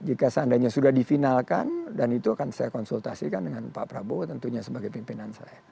jika seandainya sudah difinalkan dan itu akan saya konsultasikan dengan pak prabowo tentunya sebagai pimpinan saya